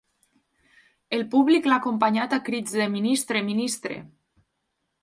El públic l’ha acompanyat a crits de ‘ministre, ministre’.